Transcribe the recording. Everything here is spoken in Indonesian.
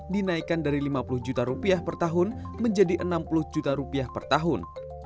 dinaikkan dari lima puluh juta rupiah per tahun menjadi enam puluh juta rupiah per tahun